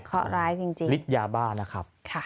เขาร้ายจริงค่ะ